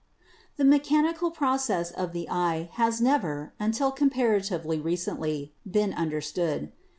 The mechanical process of the eye has never, until comparatively recently, been understood.